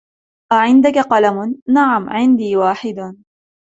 أعندك قلم؟ "نعم، عندي واحد."